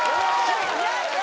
やった！